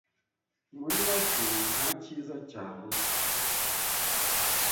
Muri make nta kiza cya ruswa